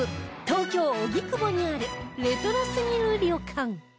東京荻窪にあるレトロすぎる旅館